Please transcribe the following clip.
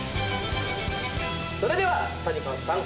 それでは谷川さん。